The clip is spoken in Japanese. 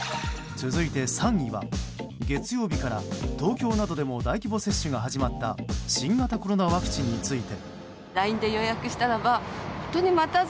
続いて３位は月曜日から東京などでも大規模接種が始まった新型コロナワクチンについて。